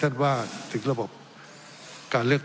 ทั้งสองกรณีผลเอกประยุทธ์